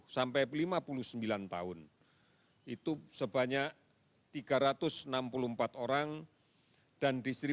sebuah p points yang rehat sebanding bitte